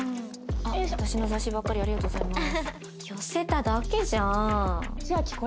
あっ私の雑誌ばっかりありがとうございます。